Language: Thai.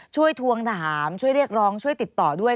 ทวงถามช่วยเรียกร้องช่วยติดต่อด้วย